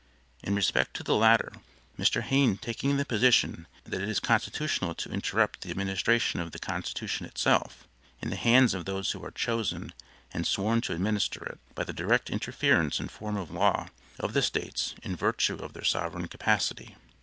In respect to the latter, Mr. Hayne taking the position that it is constitutional to interrupt the administration of the Constitution itself, in the hands of those who are chosen and sworn to administer it; by the direct interference in form of law, of the States, in virtue of their sovereign capacity.